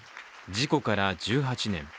事故から１８年。